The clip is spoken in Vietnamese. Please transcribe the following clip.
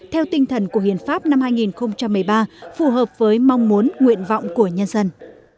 theo tinh thần của hiến pháp năm hai nghìn một mươi ba phù hợp với mong muốn nguyện vọng của nhân dân